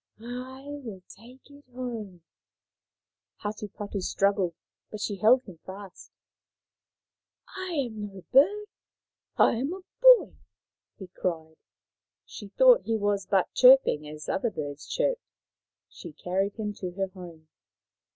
" I will take it home." Hatupatu 115 Hatupatu struggled, but she held him fast. " I am no bird ! I am a boy !" he cried. She thought he was but chirping as other birds chirped. She carried him to her home.